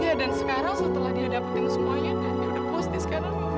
iya dan sekarang setelah dia dapetin semuanya dia udah posting sekarang